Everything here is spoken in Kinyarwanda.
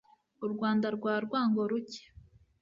u rwanda rwa rwango-ruke